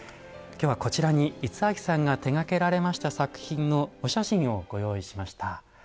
今日はこちらに五明さんが手がけられました作品のお写真をご用意しました。